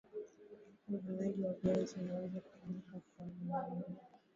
uvunaji wa viazi unawez kufanyika kwa mara moja